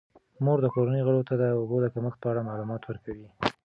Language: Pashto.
مور د کورنۍ غړو ته د اوبو د کمښت په اړه معلومات ورکوي.